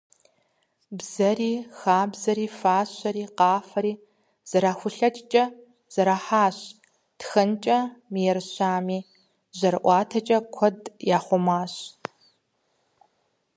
Бзэри, хабзэри, фащэри, къафэри зэрахулъэкӏкӏэ зэрахьащ, тхэнкӏэ мыерыщами, жьэрыӏуатэкӏэ куэд яхъумащ…